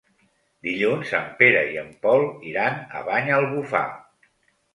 Dilluns en Pere i en Pol iran a Banyalbufar.